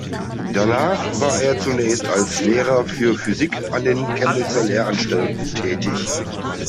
Danach war er zunächst als Lehrer für Physik an den Chemnitzer Lehranstalten tätig.